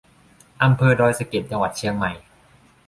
อำเภอดอยสะเก็ด จังหวัดเชียงใหม่